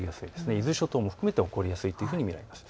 伊豆諸島も含めて起こりやすいと見られます。